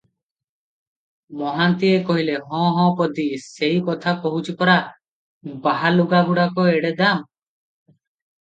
ମହାନ୍ତିଏ କହିଲେ-ହଁ ହଁ ପଦୀ, ସେଇ କଥା କହୁଛି ପରା, ବାହା ଲୁଗାଗୁଡ଼ାକ ଏଡେ ଦାମ!